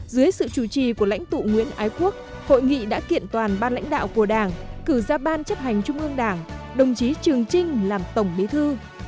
dưới sự chủ trì của lãnh tụ nguyễn ái quốc hội nghị đã kiện toàn ban lãnh đạo của đảng cử ra ban chấp hành trung ương đảng đồng chí trường trinh làm tổng bí thư